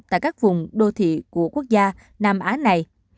tại các vùng đô thị của quốc gia nam á này